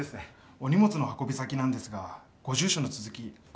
お荷物の運び先なんですがご住所の続きご記入願えますか？